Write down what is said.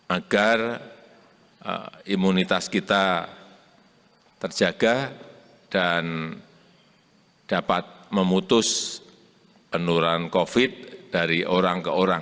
agar imunitas kita terjaga dan dapat memutus penurunan covid dari orang ke orang